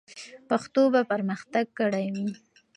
پښتو به پرمختګ کړی وي.